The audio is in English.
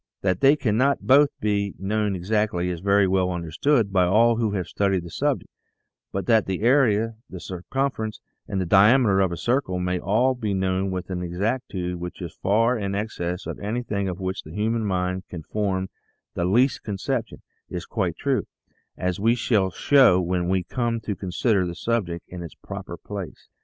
That they cannot both be known exactly is very well understood by all who have studied the subject, but that the area, the circumference, and the diameter of a circle may all be known with an exactitude which is far in excess of anything of which the human mind can form the least conception, is quite true, as we shall show when we come to consider the subject in its proper place.